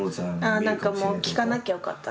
あ何かもう聞かなきゃよかった。